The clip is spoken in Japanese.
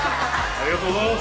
ありがとうございます。